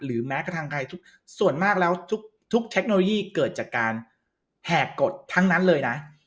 แม้กระทั่งใครทุกส่วนมากแล้วทุกเทคโนโลยีเกิดจากการแหกกฎทั้งนั้นเลยนะ